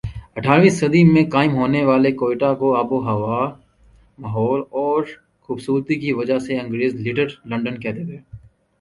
اٹھارہویں صدی میں قائم ہونے والے کوئٹہ کو آب و ہوا ماحول اور خوبصورتی کی وجہ سے انگریز لٹل لندن کہتے تھے